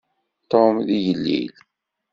Tom d igellil.